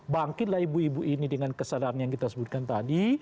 bangkitlah ibu ibu ini dengan kesadaran yang kita sebutkan tadi